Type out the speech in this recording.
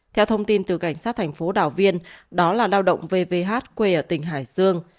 theo thông tin từ cảnh sát thành phố đào viên đó là lao động vv quê ở tỉnh hải dương